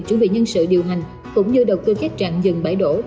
chuẩn bị nhân sự điều hành cũng như đầu cơ các trạng dừng bãi đổ